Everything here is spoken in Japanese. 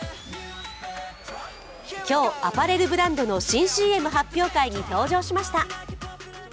今日、アパレルブランドの新ＣＭ発表会に登場しました。